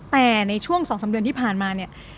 แหมในช่วงสองสามเดือนที่ผ่านมาเนี่ย